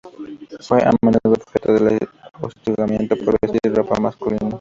Fue a menudo objeto de hostigamiento por vestir ropa masculina.